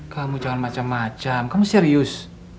kamu jangan macam macam kamu serius